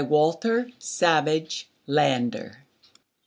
Walter Savage Landor.